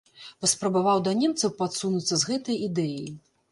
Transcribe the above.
Паспрабаваў да немцаў падсунуцца з гэтай ідэяй.